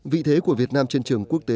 vị thế của việt nam trên trường quốc tế